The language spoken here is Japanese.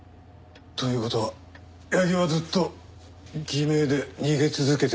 という事は矢木はずっと偽名で逃げ続けてきたって事か。